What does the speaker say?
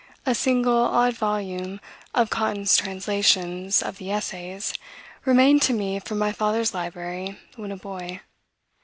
A single odd volume of Cotton's translation of the Essays remained to me from my father's library, when a boy.